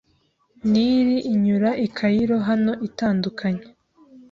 Nili inyura i Cairo hano itandukanye